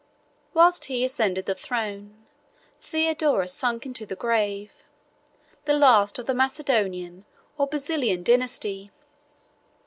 Whilst he ascended the throne, Theodora sunk into the grave; the last of the Macedonian or Basilian dynasty.